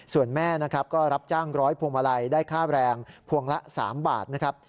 ส่วนแม่นะครับก็รับจ้างร้อยพวงมาลัยได้ค่าแรงพวงละ๓บาทนะครับ